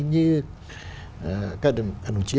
như các đồng chí